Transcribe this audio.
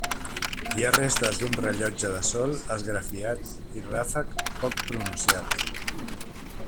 Hi ha restes d'un rellotge de sol esgrafiat i ràfec poc pronunciat.